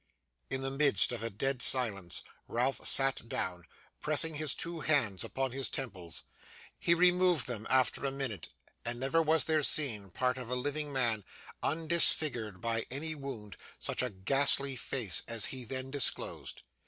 In the midst of a dead silence, Ralph sat down, pressing his two hands upon his temples. He removed them, after a minute, and never was there seen, part of a living man undisfigured by any wound, such a ghastly face as he then disclosed.